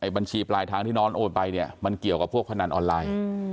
บัญชีปลายทางที่น้องโอนไปเนี่ยมันเกี่ยวกับพวกพนันออนไลน์